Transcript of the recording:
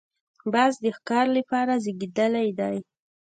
باز د ښکار لپاره زېږېدلی دی